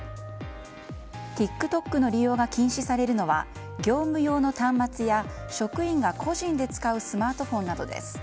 ＴｉｋＴｏｋの利用が禁止されるのは業務用の端末や職員が個人で使うスマートフォンなどです。